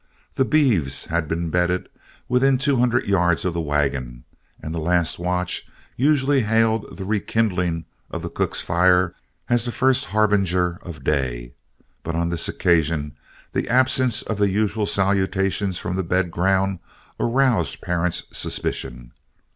The beeves had been bedded within two hundred yards of the wagon, and the last watch usually hailed the rekindling of the cook's fire as the first harbinger of day. But on this occasion the absence of the usual salutations from the bed ground aroused Parent's suspicion.